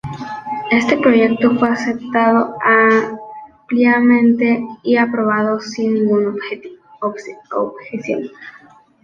Este proyecto fue aceptado ampliamente y aprobado sin ninguna objeción.